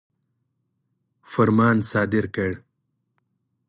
فرمان صادر کړ.